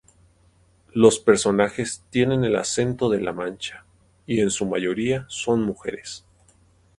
Los personajes tienen el acento de La Mancha y en su mayoría son mujeres.